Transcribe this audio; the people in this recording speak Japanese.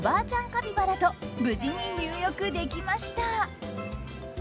カピバラと無事に入浴できました。